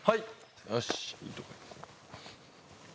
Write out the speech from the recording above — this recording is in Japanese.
よし！